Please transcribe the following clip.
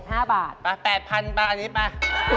มา๘๐๐๐บาทอันนี้มา